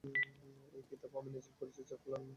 এই কিতাব আমি নাযিল করেছি যা কল্যাণময়।